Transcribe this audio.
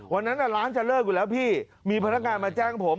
วันนั้นร้านจะเลิกอยู่แล้วพี่มีพนักงานมาแจ้งผม